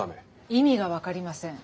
意味が分かりません。